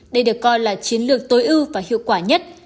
đây được coi là chiến lược tối ưu và hiệu quả nhất